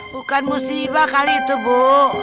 bukan musibah kali itu bu